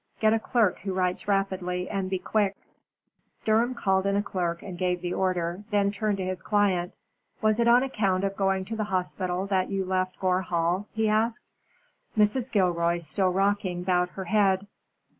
Get a clerk who writes rapidly, and be quick." Durham called in a clerk and gave the order, then turned to his client. "Was it on account of going to the hospital that you left Gore Hall?" he asked. Mrs. Gilroy, still rocking, bowed her head.